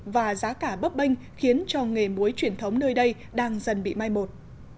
và giá cả bấp bênh khiến cho nghề muối truyền thống nơi đây đang dần bị mai một